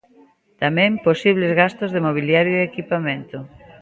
Tamén posibles gastos de mobiliario e equipamento.